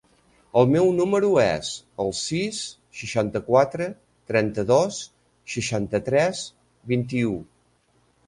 El meu número es el sis, seixanta-quatre, trenta-dos, seixanta-tres, vint-i-u.